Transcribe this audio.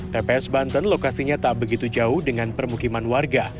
tps banten lokasinya tak begitu jauh dengan permukiman warga